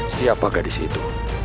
siapa gadis itu